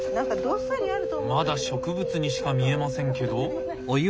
まだ植物にしか見えませんけど。